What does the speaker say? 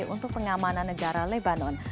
untuk pengamanan negara lebanon